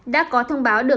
đã có thông báo được